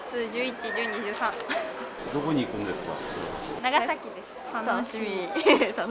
どこに行くんですか？